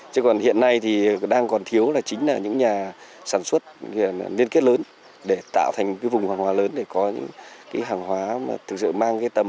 chứ còn hiện nay thì đang còn thiếu là chính là những nhà sản xuất liên kết lớn để tạo thành cái vùng hàng hóa lớn để có những cái hàng hóa mà thực sự mang cái tầm